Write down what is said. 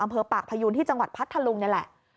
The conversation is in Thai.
อำเภอปากพยูนที่จังหวัดพัทธลุงนี่แหละ